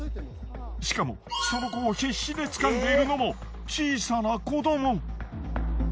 しかもその子を必死でつかんでいるのも小さな子ども！